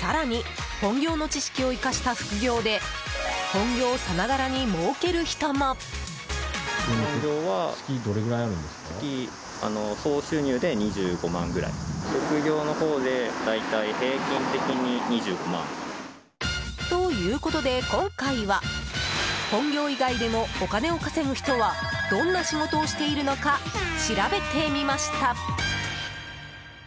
更に本業の知識を生かした副業で本業さながらに、もうける人も。ということで、今回は本業以外でもお金を稼ぐ人はどんな仕事をしているのか調べてみました。